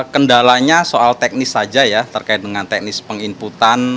kendalanya soal teknis saja ya terkait dengan teknis penginputan